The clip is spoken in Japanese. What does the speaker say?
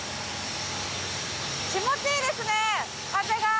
気持ちいいですね風が。